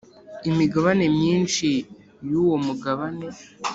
imigabane myinshi yuwo mugabane